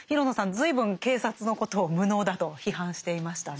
随分警察のことを無能だと批判していましたね。